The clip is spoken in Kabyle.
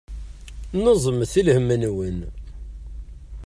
Neẓmet i lhem-nwen.